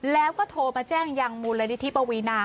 แล้วก็โทรมาแจ้งยังมูลนิธิปวีนา